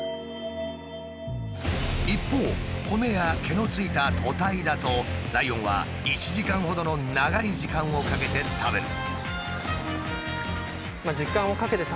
一方骨や毛のついた屠体だとライオンは１時間ほどの長い時間をかけて食べる。